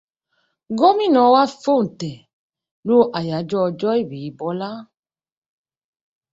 Gómìnà wa fòntẹ̀ lù àyájọ́ Ọ̀jọ ìbí Bọ́lá.